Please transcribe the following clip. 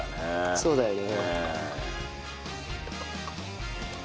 そうだよね。